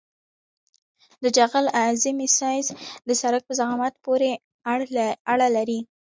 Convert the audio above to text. د جغل اعظمي سایز د سرک په ضخامت پورې اړه لري